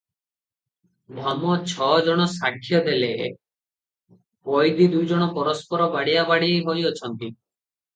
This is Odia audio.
ଡମ ଛ ଜଣ ସାକ୍ଷ୍ୟ ଦେଲେ, କଏଦୀ ଦୁଇଜଣ ପରସ୍ପର ବାଡ଼ିଆବାଡ଼େଇ ହୋଇଅଛନ୍ତି ।